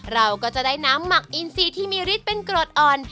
เราก็จะได้น้ำหมักอินซีที่มีฤทธิ์เป็นกรดอ่อน